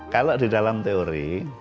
kalau di dalam teori